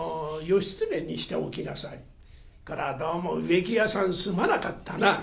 これはどうも植木屋さんすまなかったな。